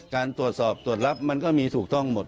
การตรวจสอบตรวจรับมันก็มีถูกต้องหมด